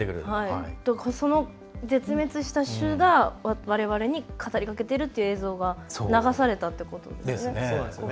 その絶滅した種がわれわれに語りかけてるって映像が流されたってことですよね。